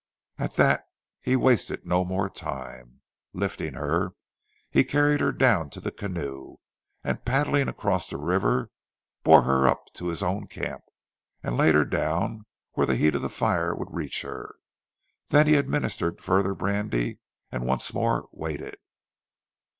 At that he wasted no more time. Lifting her, he carried her down to the canoe, and paddling across the river, bore her up to his own camp, and laid her down where the heat of the fire would reach her, then he administered further brandy and once more waited.